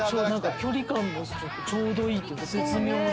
距離感がちょうどいいというか絶妙な。